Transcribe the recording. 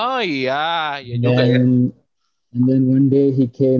kemudian suatu hari kemudian dia datang ke scoring hills untuk mem schlosshello team